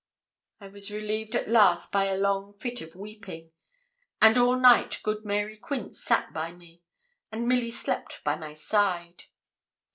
I was relieved at last by a long fit of weeping; and all night good Mary Quince sat by me, and Milly slept by my side.